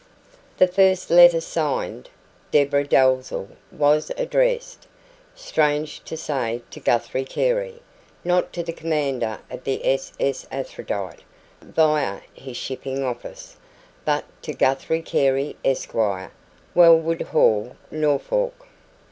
The first letter signed "Deborah Dalzell" was addressed, strange to say, to Guthrie Carey not to the commander of the SS APHRODITE, via his shipping office, but to Guthrie Carey, Esq., Wellwood Hall, Norfolk.